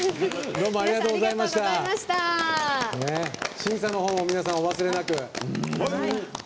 審査のほうも皆さんお忘れなく。